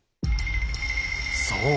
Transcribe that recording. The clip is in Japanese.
そう。